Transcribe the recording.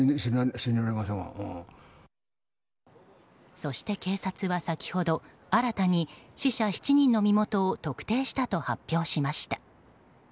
そして、警察は先ほど新たに死者７人の身元を特定したと発表しました。